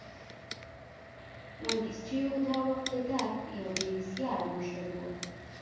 منګیسټیو دا وخت د درګ یو بې سیاله مشر و.